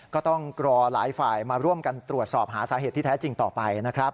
ก็ต้องรอหลายฝ่ายมาร่วมกันตรวจสอบหาสาเหตุที่แท้จริงต่อไปนะครับ